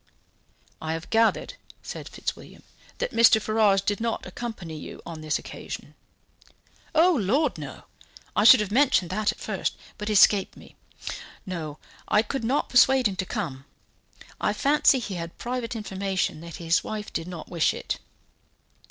"I have gathered," said Fitzwilliam, "that Mr. Ferrars did not accompany you on this occasion." "Oh, Lord, no! I should have mentioned that at first, but it escaped me. No, I could not persuade him to come. I fancy he had private information that his wife did not wish it."